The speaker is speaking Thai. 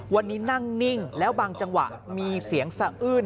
วันนี้นั่งนิ่งแล้วบางจังหวะมีเสียงสะอื้น